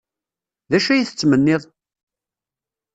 D acu ay tettmenniḍ?